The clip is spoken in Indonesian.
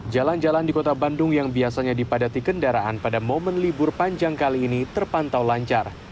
jalan jalan di kota bandung yang biasanya dipadati kendaraan pada momen libur panjang kali ini terpantau lancar